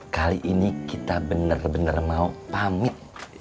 kali ini kita bener bener mau pamit